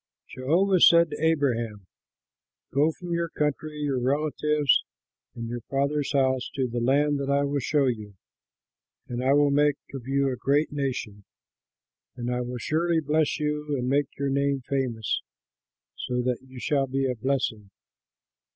Jehovah said to Abraham, "Go from your country, your relatives, and your father's house to the land that I will show you. And I will make of you a great nation; and I will surely bless you and make your name famous, so that you shall be a blessing.